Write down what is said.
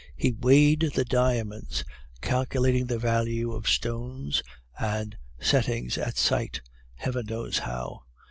"He weighed the diamonds, calculating the value of stones and setting at sight (Heaven knows how!)